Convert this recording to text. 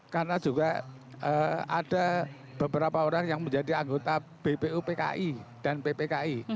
karena juga ada beberapa orang yang menjadi anggota bpupki dan ppki